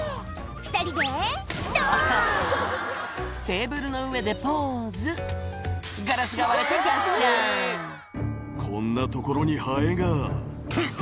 ２人でドボンテーブルの上でポーズガラスが割れてガッシャン「こんな所にハエがふん！」